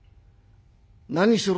何しろ